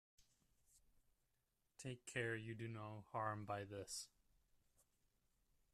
Take care you do no harm by this.